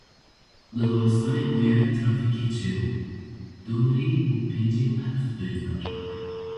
Li Loristanê bûyera trafîkê çêbû du mirî û pêncî û heft birîndar.